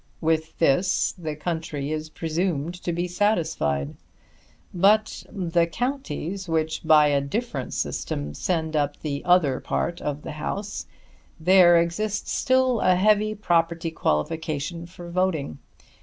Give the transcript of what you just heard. With this the country is presumed to be satisfied. But in the counties, which by a different system send up the other part of the House, there exists still a heavy property qualification for voting.